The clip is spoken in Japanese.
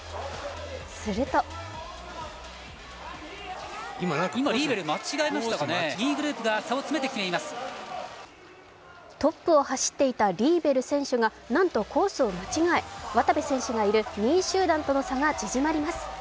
するとトップを走っていたリーベル選手がなんとコースを間違え渡部選手がいる２位集団との差が縮まります。